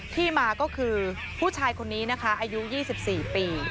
ที่มาก็คือผู้ชายคนนี้นะคะอายุ๒๔ปี